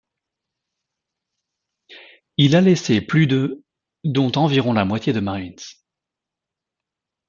Il a laissé plus de dont environ la moitié de marines.